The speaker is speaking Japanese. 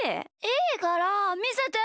いいからみせてよ！